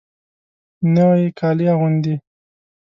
نوي کالي اغوندې